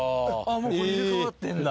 これ入れ替わってんだ。